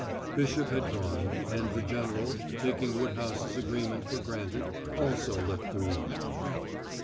Bishop had gone, and the general, taking Woodhouse's agreement for granted, also left the room.